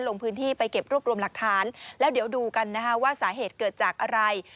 ลงพื้นที่ไปเก็บรวบรวมหลักฐานแล้วเดี๋ยวดูกันนะคะว่าสาเหตุเกิดจากอะไร